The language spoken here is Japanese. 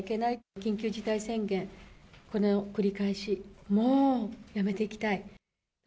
緊急事態宣言、この繰り返し、もうやめていきたい。